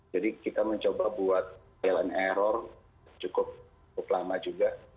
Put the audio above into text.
jadi kita mencoba buat trial and error cukup lama juga